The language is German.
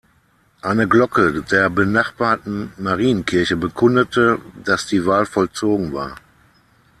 Eine Glocke der benachbarten Marienkirche bekundete, dass die Wahl vollzogen war.